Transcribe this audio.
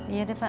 iya deh pak